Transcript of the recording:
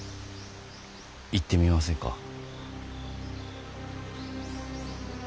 行ってみませんか。